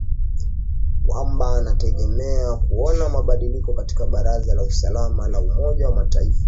wamba anategemea kuona mabadiliko katika baraza la usalama la umoja wa mataifa